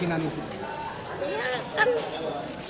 selalu hampir setiap hari ke sini